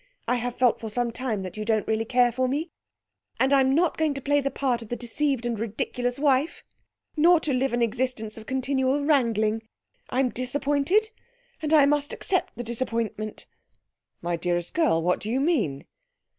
I have felt for some time that you don't really care for me, and I'm not going to play the part of the deceived and ridiculous wife, nor to live an existence of continual wrangling. I'm disappointed, and I must accept the disappointment.' 'My dearest girl, what do you mean?'